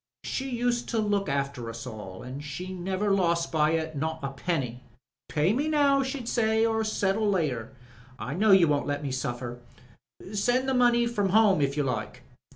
She used to look after us all, an' she never lost by it — not. a penny! 'Pay me now,' she'd say, 'or settle MRS. BATHURST 323 later. I know you won't let me suffer. Send the money from home if you Uke.'